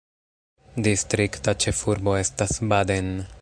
Distrikta ĉefurbo estas Baden.